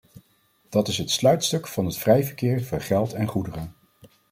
Dat is het sluitstuk van het vrij verkeer van geld en goederen.